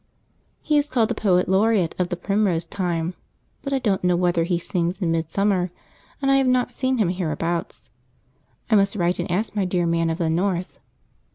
He is called the poet laureate of the primrose time, but I don't know whether he sings in midsummer, and I have not seen him hereabouts. I must write and ask my dear Man of the North.